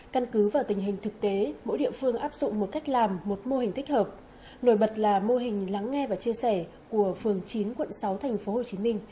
căn cứ vào tình hình thực tế mỗi địa phương áp dụng một cách làm một mô hình thích hợp nổi bật là mô hình lắng nghe và chia sẻ của phường chín quận sáu tp hcm